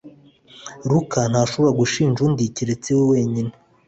Ruka ntashobora gushinja undi keretse we wenyine.